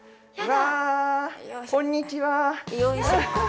わあこんにちは。